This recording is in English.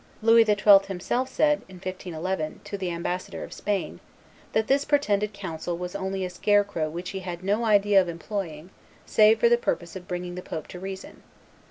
Louis XII. himself said, in 1511, to the ambassador of Spain, that "this pretended council was only a scarecrow which he had no idea of employing save for the purpose of bringing the pope to reason."